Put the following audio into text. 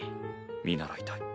見習いたい。